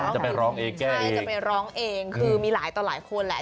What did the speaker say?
จะไปร้องเองแก้ใช่จะไปร้องเองคือมีหลายต่อหลายคนแหละ